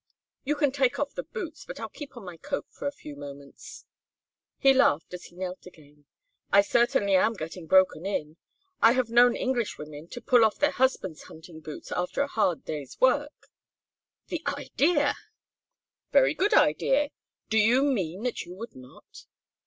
"You can take off the boots, but I'll keep on my coat for a few moments." He laughed as he knelt again. "I certainly am getting broken in. I have known Englishwomen to pull off their husband's hunting boots after a hard day's work " "The idea!" "Very good idea. Do you mean that you would not?"